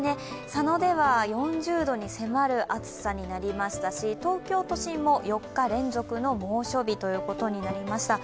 佐野では４０度に迫る暑さになりましたし、東京都心も４日連続の猛暑日ということになりました。